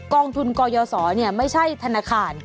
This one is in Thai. กองทุนกู้ยืสอไม่ใช่ธนาคาร